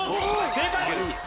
正解。